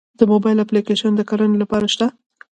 د موبایل اپلیکیشن د کرنې لپاره شته؟